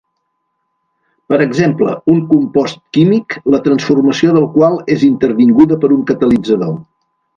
Per exemple, un compost químic la transformació del qual és intervinguda per un catalitzador.